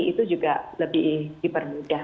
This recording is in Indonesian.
itu juga lebih dipermudah